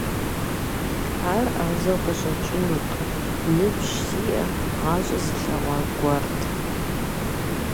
Ар Ӏэзэу къыщӀэкӀынут, ныбжь зиӀэ, гъащӀэ зылъэгъуа гуэрт.